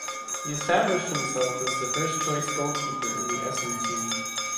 He established himself as the first-choice goalkeeper in the Essen team.